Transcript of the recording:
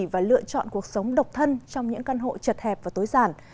và lựa chọn cuộc sống độc thân trong những căn hộ chật hẹp và tối giản